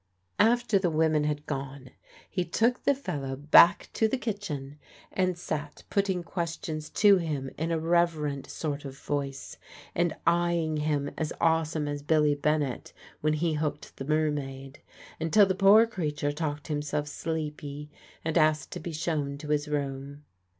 After the women had gone, he took the fellow back to the kitchen, and sat putting questions to him in a reverent sort of voice, and eyeing him as awesome as Billy Bennett when he hooked the mermaid, until the poor creature talked himself sleepy, and asked to be shown to his room.